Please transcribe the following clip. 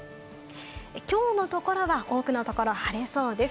きょうのところは多くのところ晴れそうです。